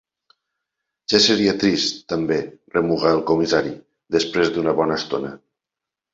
Ja seria trist, també —remuga el comissari, després d'una bona estona.